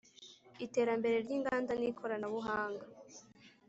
iterambere ry inganda n ikoranabuhanga